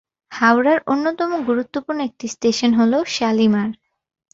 হাওড়ার অন্যতম গুরুত্বপূর্ণ একটি স্টেশন হল শালিমার।